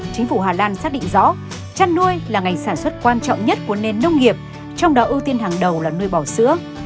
chính phủ hà lan xác định rõ chăn nuôi là ngành sản xuất quan trọng nhất của nền nông nghiệp trong đó ưu tiên hàng đầu là nuôi bò sữa